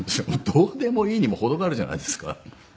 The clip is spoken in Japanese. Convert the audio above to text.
どうでもいいにも程があるじゃないですか。